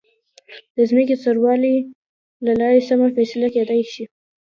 د ځمکې سروې له لارې سمه فیصله کېدلی شي.